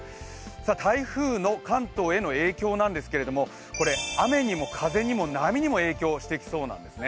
台風の関東への影響なんですけれども雨にも風にも波にも影響してきそうなんですね。